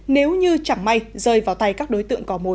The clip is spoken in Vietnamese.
nếu như chẳng may rơi vào tay các đối tượng có mối